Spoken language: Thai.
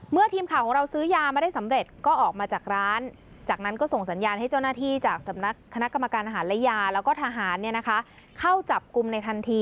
เมื่อทีมข่าวของเราซื้อยามาได้สำเร็จก็ออกมาจากร้าน